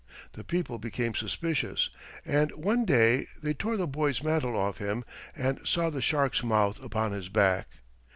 The people became suspicious, and one day they tore the boy's mantle off him and saw the shark's mouth upon his back.